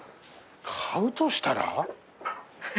買うとしたら？